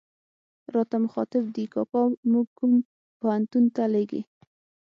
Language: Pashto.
راته مخاطب دي، کاکا موږ کوم پوهنتون ته لېږې.